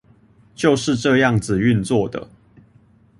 就是這樣子運作的